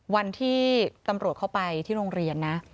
วันที่ตำรวจเข้าไปที่โรงเรียนนะ